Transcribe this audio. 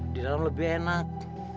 di dalam lebih enak